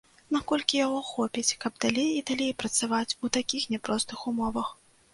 Наколькі яго хопіць, каб далей і далей працаваць у такіх няпростых умовах.